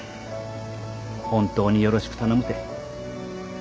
本当によろしく頼むて。